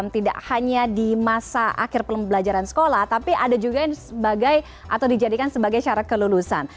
tidak hanya di masa akhir pembelajaran sekolah tapi ada juga yang sebagai atau dijadikan sebagai syarat kelulusan